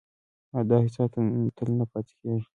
دا احساس تل نه پاتې کېږي.